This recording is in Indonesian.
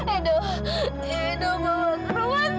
aduh aduh mau ke rumah sakit dong